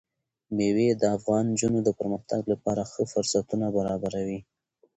مېوې د افغان نجونو د پرمختګ لپاره ښه فرصتونه برابروي.